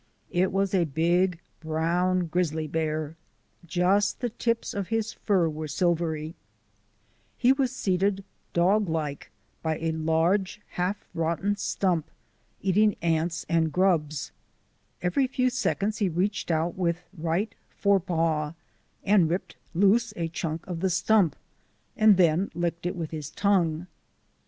It was a big, brown grizzly bear. Just the tips of his fur were silvery. He was seated dog like by i 5 o THE ADVENTURES OF A NATURE GUIDE a large, half rotten stump, eating ants and grubs. Every few seconds he reached out with right fore paw and ripped loose a chunk of the stump, and then licked it with his tongue.